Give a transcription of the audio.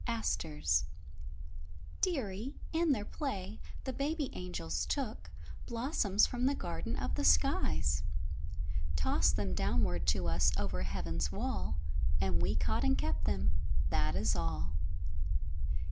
ASTERS Dearie, in their play the baby angels took Blossoms from the garden of the skies. Tossed them downward to us over heaven's wall, And we caught and kept them, that is all.